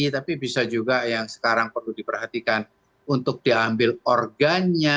tapi bisa juga yang sekarang perlu diperhatikan untuk diambil organnya